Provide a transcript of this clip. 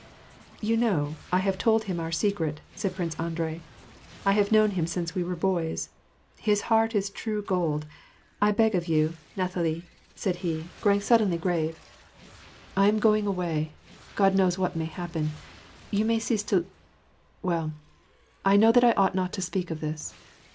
" You know, I have told him our secret," said Prince Andrei. " I have known him since we were boys. His heart is true gold, I beg of you, Nathalie," said he, growing suddenly 236 WAR AND PEACE. grave. "I am going away. God knows what may happen : you may cease to lo — well, I know that I ought not to speak of this.